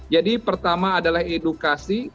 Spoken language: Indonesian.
jadi pertama adalah edukasi